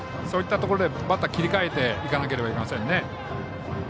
そういったところで、バッターは切り替えていかなくてはいけませんね。